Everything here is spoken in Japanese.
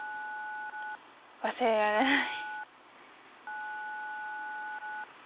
忘れられない。